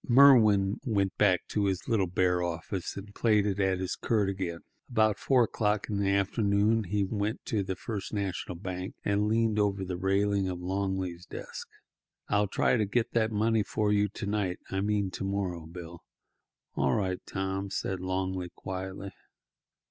Merwin went back to his little bare office and plaited at his quirt again. About four o'clock in the afternoon he went to the First National Bank and leaned over the railing of Longley's desk. "I'll try to get that money for you to night—I mean to morrow, Bill." "All right, Tom," said Longley quietly.